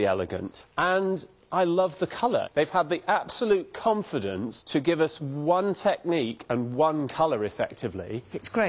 すごい。